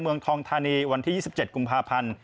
เมืองทองธานีวันที่๒๗กุมภาพันธ์